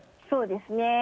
そうですね。